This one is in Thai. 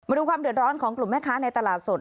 ดูความเดือดร้อนของกลุ่มแม่ค้าในตลาดสด